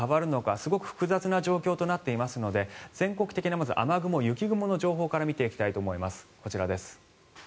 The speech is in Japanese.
すごく複雑な状況となっていますので全国的な雨雲、雪雲の情報からまず見ていきたいと思います。